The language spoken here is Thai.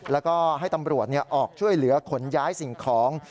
แล้วก็ให้ตำรวจออกช่วยเหลือขนย้ายสิ่งของ